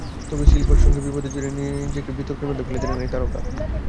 তবে সিলভার সঙ্গে বিবাদে জড়িয়ে নিজেকে বিতর্কের মধ্যে ফেলে দিলেন এই তারকা।